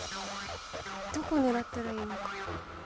どこ狙ったらいいのか。